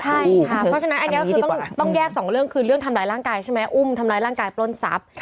ใช่ค่ะเพราะฉะนั้นอันนี้ก็คือต้องแยกสองเรื่องคือเรื่องทำร้ายร่างกายใช่ไหมอุ้มทำร้ายร่างกายปล้นทรัพย์